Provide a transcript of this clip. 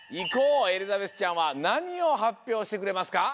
エリザベスちゃんはなにをはっぴょうしてくれますか？